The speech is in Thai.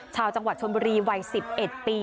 ชาวจังหวัดชนบุรีวัย๑๑ปี